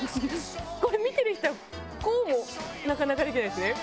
これ見てる人はこうもなかなかできないですね。